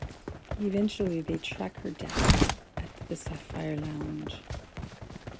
Eventually, they track her down at the Sapphire Lounge.